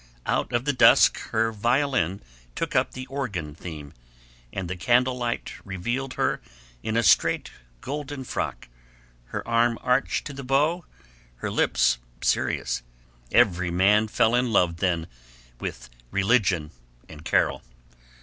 Out of the dusk her violin took up the organ theme, and the candle light revealed her in a straight golden frock, her arm arched to the bow, her lips serious. Every man fell in love then with religion and Carol.